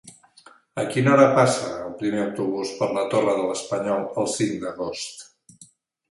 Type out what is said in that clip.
A quina hora passa el primer autobús per la Torre de l'Espanyol el cinc d'agost?